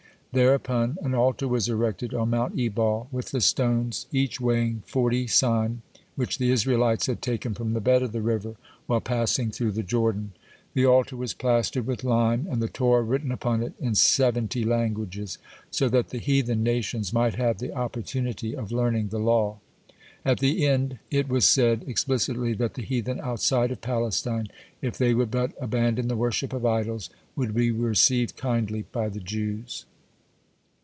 Thereupon an altar was erected on Mount Ebal with the stones, each weighing forty seim, which the Israelites had taken from the bed of the river while passing through the Jordan. The altar was plastered with lime, and the Torah written upon it in seventy languages, so that the heathen nations might have the opportunity of learning the law. At the end it was said explicitly that the heathen outside of Palestine, if they would but abandon the worship of idols, would be received kindly by the Jews.